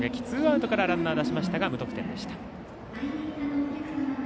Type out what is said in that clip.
ツーアウトからランナー出しましたが無得点。